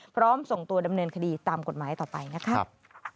ส่งตัวดำเนินคดีตามกฎหมายต่อไปนะครับ